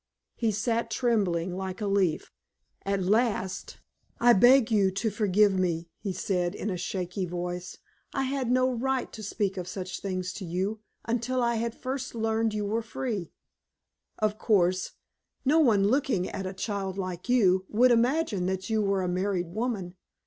He sat trembling like a leaf. At last: "I beg you to forgive me," he said, in a shaking voice. "I had no right to speak of such things to you until I had first learned you were free. Of course, no one looking at a child like you would imagine that you were a married woman.